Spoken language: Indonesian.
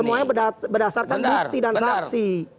semuanya berdasarkan bukti dan saksi